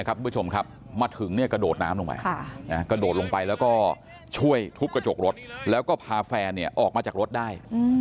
คุณผู้ชมครับมาถึงกระโดดน้ำลงไปช่วยทุบกระจกรถแล้วก็พาแฟนออกมาจากรถได้